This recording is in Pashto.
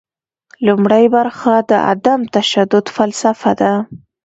لومړۍ برخه د عدم تشدد فلسفه ده.